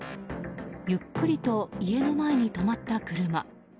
ゆっくりと家の前に止まった車。